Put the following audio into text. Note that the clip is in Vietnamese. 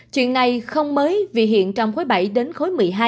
chuyện này không mới vì hiện trong khối bảy đến khối một mươi hai